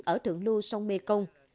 ở thượng lua sông mê công